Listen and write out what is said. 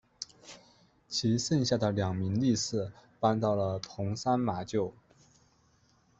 其剩下的两名力士搬到了桐山马厩。